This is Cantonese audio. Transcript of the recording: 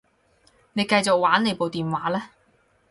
你繼續玩你部電話啦